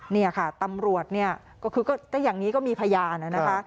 นี่ค่ะตำรวจเนี่ยก็คือก็อย่างนี้ก็มีพยานนะคะ